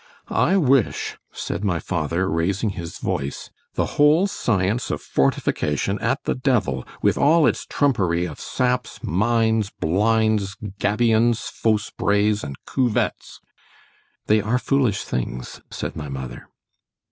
I wish, said my father, raising his voice, the whole science of fortification at the devil, with all its trumpery of saps, mines, blinds, gabions, fausse brays and cuvetts—— ——They are foolish things——said my mother.